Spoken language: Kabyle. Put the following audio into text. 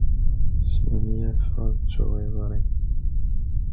Smenyafeɣ ad ttuɣ izri.